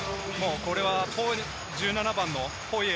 これは１７番のポイエ